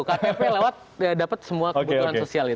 ktp lewat dapat semua kebutuhan sosial itu